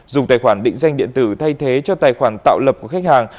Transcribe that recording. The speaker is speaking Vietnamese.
dùng tài khoản định danh điện tử thay thế cho tài khoản tạo lập của khách hàng